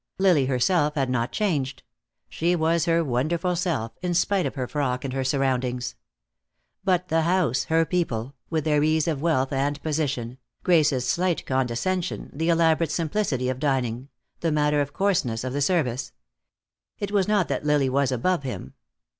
Lily herself had not changed. She was her wonderful self, in spite of her frock and her surroundings. But the house, her people, with their ease of wealth and position, Grace's slight condescension, the elaborate simplicity of dining, the matter of course ness of the service. It was not that Lily was above him.